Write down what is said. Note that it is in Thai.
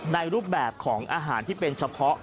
รูปแบบของอาหารที่เป็นเฉพาะ